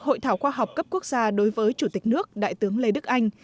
hội thảo khoa học cấp quốc gia đối với chủ tịch nước đại tướng lê đức anh